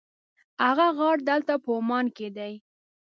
هغه غار دلته په عمان کې دی.